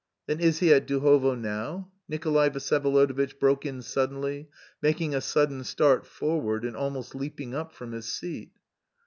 "Then is he at Duhovo now?" Nikolay Vsyevolodovitch broke in suddenly, making a sudden start forward and almost leaping up from his seat.